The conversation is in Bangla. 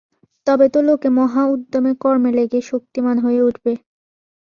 তবে তো লোকে মহা উদ্যমে কর্মে লেগে শক্তিমান হয়ে উঠবে।